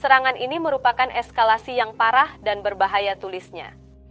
serangan ini merupakan eskalasi yang parah dan berbahaya tulisnya